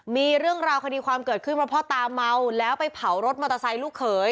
มีเรื่องราวคดีความเกิดขึ้นว่าพ่อตาเมาแล้วไปเผารถมอเตอร์ไซค์ลูกเขย